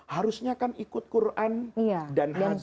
harusnya kan ikut quran dan hazar